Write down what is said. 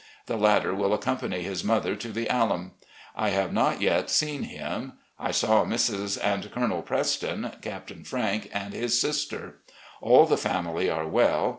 The latter will accompany his mother to the Altun. I have not yet seen him. I saw Mrs. and Colonel Preston, Captain Frank, and his sister. All the family are well.